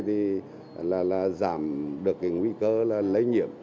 thì là giảm được cái nguy cơ là lây nhiễm